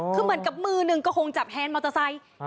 คือเหมือนกับมือหนึ่งก็คงจับแฮนดมอเตอร์ไซค์